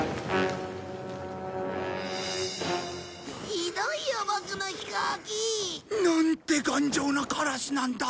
ひどいよボクの飛行機。なんて頑丈なカラスなんだ。